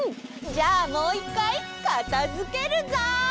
じゃあもういっかいかたづけるぞ！